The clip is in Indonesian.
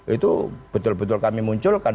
itu betul betul kami munculkan